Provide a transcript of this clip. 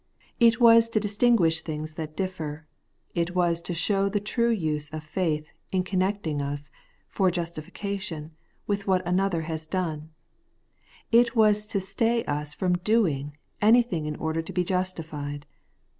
It was to distinguish things that differ; it was to show the true use of faith, in connecting us, for justification, with what another has done ; it was to stay us from doing anything in order to be justified.